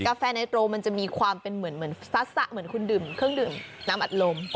แฟนไนโตรมันจะมีความเป็นเหมือนซัสเหมือนคุณดื่มเครื่องดื่มน้ำอัดลม